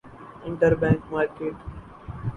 inter bank market